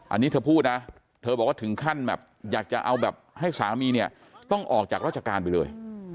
อันนี้เธอพูดนะเธอบอกว่าถึงขั้นแบบอยากจะเอาแบบให้สามีเนี่ยต้องออกจากราชการไปเลย